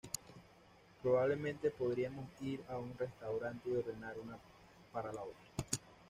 Probablemente podríamos ir a un restaurante y ordenar una para la otra.